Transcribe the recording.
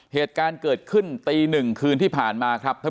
เหตุการณ์เกิดขึ้นตีหนึ่งคืนที่ผ่านมาครับ